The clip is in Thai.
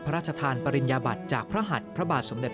พระราชทานปริญญาบัติจากพระหัดพระบาทสมเด็จ